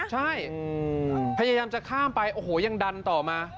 ใช่พยายามจะข้ามไปโอ้โหยังดันต่อมา